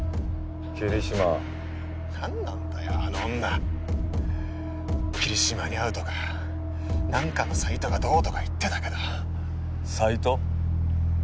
桐島何なんだよあの女桐島に会うとか何かのサイトがどうとか言ってたけどサイト？